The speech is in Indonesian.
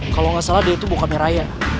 kalau gak salah dia itu bokapnya raya